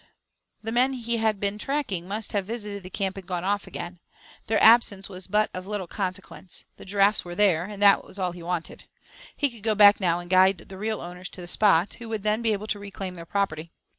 The men he had been tracking must have visited the camp and gone off again. Their absence was but of little consequence. The giraffes were there, and that was all he wanted. He could now go back and guide the real owners to the spot, who would then be able to reclaim their property.